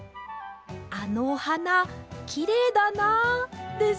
あのおはなきれいだなあです。